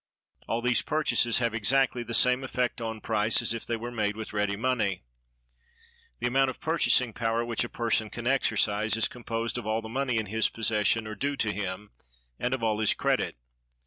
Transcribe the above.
All these purchases have exactly the same effect on price as if they were made with ready money. The amount of purchasing power which a person can exercise is composed of all the money in his possession or due to him, and of all his credit.